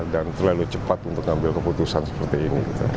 dan terlalu cepat untuk mengambil keputusan seperti ini